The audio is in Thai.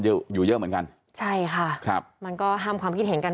เห็นการ์ดเห็นข้อความต่างแล้ว